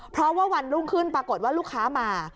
เพราะว่าวันรุ่งขึ้นปรากฏว่าลูกค้ามา